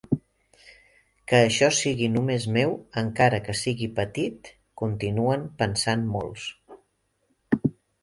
“Que això sigui només meu, encara que sigui petit”, continuen pensant molts.